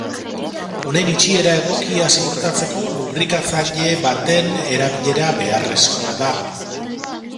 Honen itxiera egokia ziurtatzeko, lubrikatzaile baten erabilera beharrezkoa da.